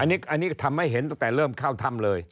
อันนี้ทำให้เห็นตั้งแต่เริ่มเข้าถ้ำเลย